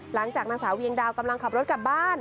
หลังจากนางสาวเวียงดาวกำลังขับรถกลับบ้าน